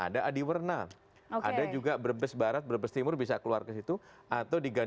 daerah daerah situ tadi ya